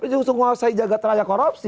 justru menguasai jaga terayak korupsi